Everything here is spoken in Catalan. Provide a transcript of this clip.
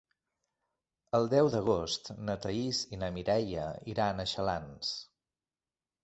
El deu d'agost na Thaís i na Mireia iran a Xalans.